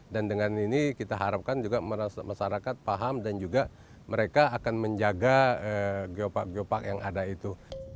dan dengan ini kita harapkan juga masyarakat paham dan juga mereka akan menjaga geopark geopark yang ada itu